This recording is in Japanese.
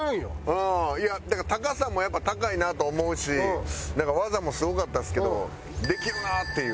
いやだから高さもやっぱ高いなと思うしなんか技もすごかったですけどできるなっていう。